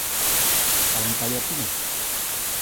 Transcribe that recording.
¿Saben cal é a primeira?